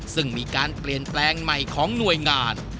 ซึ่งมีการเปลี่ยนแปลงใหม่ของหน่วยงาน